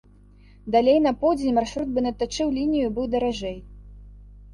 Далей на поўдзень маршрут бы надтачыў лінію і быў даражэй.